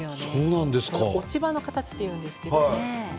落ち葉の形というんです。